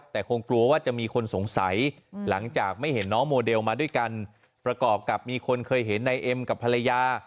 แต่คงกลัวว่าจะมีคนสงสัยหลังจากไม่เห็นน้องโมเดลมาด้วยกันประกอบกับมีคนเคยเห็นนายเอ็มกับภรรยา